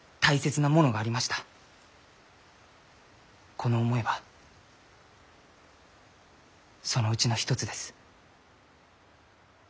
この思いはそのうちの一つです。